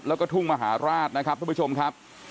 แล้วก็ทุ่งมหาราชนะครับทุกผู้ชมครับ